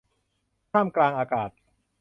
ท่ามกลางอากาศ